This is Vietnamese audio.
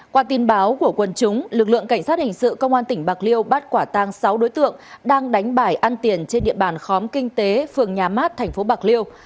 qua tin báo của quân chúng lực lượng cảnh sát hình sự công an tỉnh bạc liêu bắt quả tang sáu đối tượng đang đánh bài ăn tiền trên địa bàn khóm kinh tế phường nhà mát tp bạc liêu